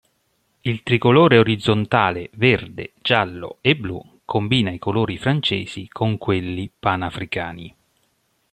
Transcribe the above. Il tricolore orizzontale verde, giallo e blu combina i colori francesi con quelli panafricani.